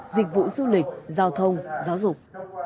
dịch vụ du lịch giao thông giáo dục